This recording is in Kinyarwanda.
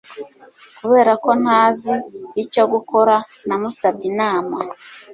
Kubera ko ntazi icyo gukora, namusabye inama.